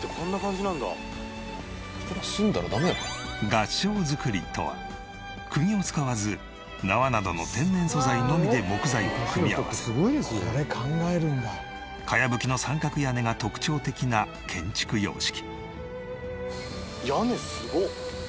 合掌造りとはクギを使わず縄などの天然素材のみで木材を組み合わせ茅葺きの三角屋根が特徴的な建築様式。